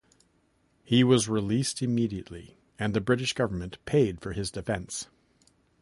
He was released immediately and the British government paid for his defence.